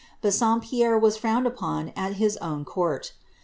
Bassompierre was frowned upon at his own court.